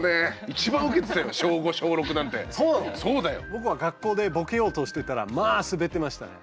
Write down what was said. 僕は学校でボケようとしてたらまあスベってましたね。